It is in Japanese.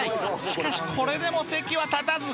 しかしこれでも席は立たず